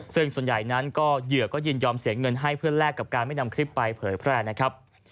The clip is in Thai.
ซึ่งส่วนใหญ่นั้นก็เหยื่อก็ยินยอมเสียเงินให้เพื่อนแลกกับการไม่นำคลิปไปเผยแพร่นะครับ